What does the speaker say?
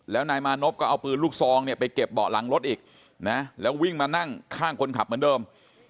แล้วนายมานพก็เอาปืนลูกซองเนี่ยไปเก็บเบาะหลังรถอีกนะแล้ววิ่งมานั่งข้างคนขับเหมือนเดิม